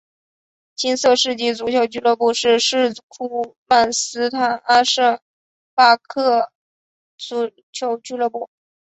金色世纪足球俱乐部是土库曼斯坦阿什哈巴德足球俱乐部。